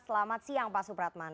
selamat siang pak supratman